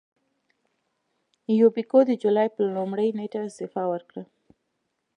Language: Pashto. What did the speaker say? یوبیکو د جولای پر لومړۍ نېټه استعفا وکړه.